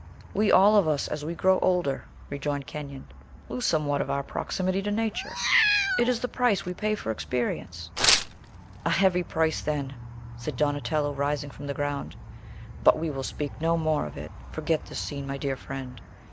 "We all of us, as we grow older," rejoined Kenyon, "lose somewhat of our proximity to nature. It is the price we pay for experience." "A heavy price, then!" said Donatello, rising from the ground. "But we will speak no more of it. Forget this scene, my dear friend.